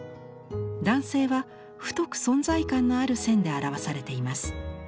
男性は太く存在感のある線で表されています。